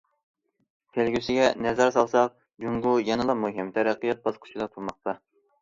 كەلگۈسىگە نەزەر سالساق، جۇڭگو يەنىلا مۇھىم تەرەققىيات باسقۇچىدا تۇرماقتا.